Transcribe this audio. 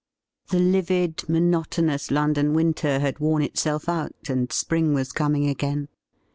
The livid, monotonous London winter had worn itself out, and spring was coming again.